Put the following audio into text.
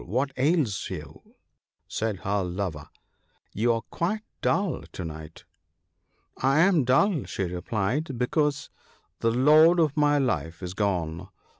what ails you ?" said her lover ;" you are quite dull to night." " I am dull," she replied, " because the lord of my life is gone.